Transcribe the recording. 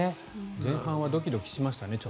前半はドキドキしましたね。